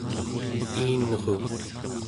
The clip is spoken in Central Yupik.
iinru